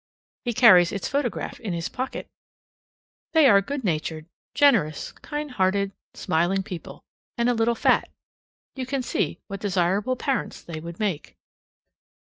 (He carries its photograph in his pocket.) They are good natured, generous, kind hearted, smiling people, and a little fat; you can see what desirable parents they would make.